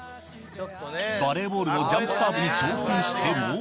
バレーボールのジャンプサーブに挑戦しても。